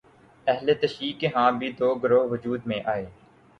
اہل تشیع کے ہاں بھی دو گروہ وجود میں آئے